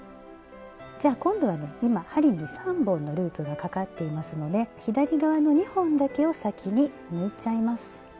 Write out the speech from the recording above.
じゃ今度はね今針に３本のループがかかっていますので左側の２本だけを先に抜いちゃいます。